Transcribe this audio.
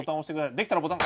できたらボタン。